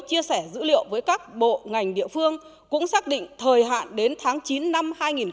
chia sẻ dữ liệu với các bộ ngành địa phương cũng xác định thời hạn đến tháng chín năm hai nghìn hai mươi